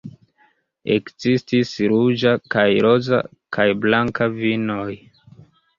Ekzistis ruĝa kaj roza kaj blanka vinoj.